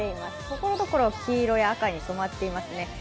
ところどころ黄色や赤に染まっていますね。